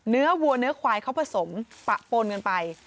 เนื้อวัวเนื้อควายเขาผสมปะป้นเงินไป